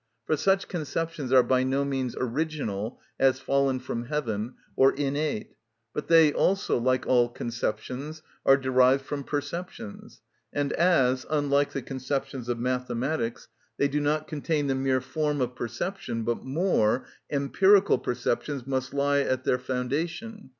For such conceptions are by no means original, as fallen from heaven, or innate; but they also, like all conceptions, are derived from perceptions; and as, unlike the conceptions of mathematics, they do not contain the mere form of perception, but more, empirical perceptions must lie at their foundation.